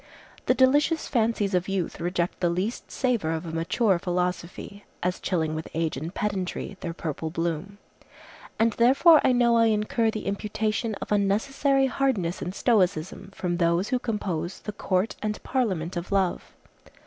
The delicious fancies of youth reject the least savor of a mature philosophy, as chilling with age and pedantry their purple bloom. And therefore I know I incur the imputation of unnecessary hardness and stoicism from those who compose the Court and Parliament of Love.